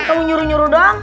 kamu nyuruh nyuruh doang